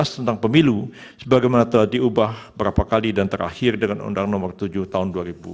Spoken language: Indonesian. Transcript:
tentang pemilu sebagaimana telah diubah berapa kali dan terakhir dengan undang nomor tujuh tahun dua ribu dua